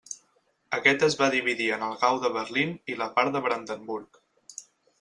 Aquest es va dividir en el Gau de Berlín i la part de Brandenburg.